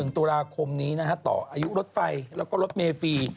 ๑ตุลาคมนี้ต่ออายุลดไฟแล้วก็ลดเมฟรี